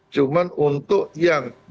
cuma untuk yang